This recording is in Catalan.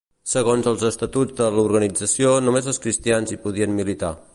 Segons els estatuts de l'organització, només els cristians hi podien militar.